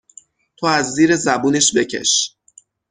تو از زیر زبونش بکش